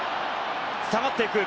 下がっていく。